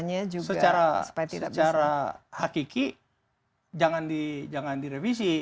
kembali kalau menurut saya secara hakiki jangan direvisi